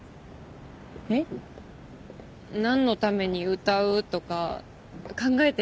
えっ？何のために歌うとか考えてる？